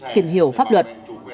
tìm hiểu pháp luật